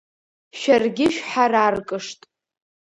Шәаргьы шәҳараркышт…